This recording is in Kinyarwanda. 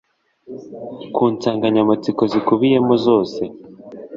ku nsanganyamatsiko zikubiyemo zose